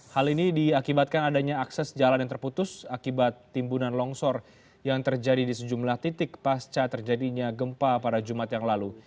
hal ini diakibatkan adanya akses jalan yang terputus akibat timbunan longsor yang terjadi di sejumlah titik pasca terjadinya gempa pada jumat yang lalu